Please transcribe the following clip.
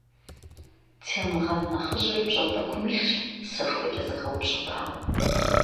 Темгъэн нэхъыжьыр пщӏантӏэкум илъщ, сэшхуэкӏэ зэхэупщӏэтауэ.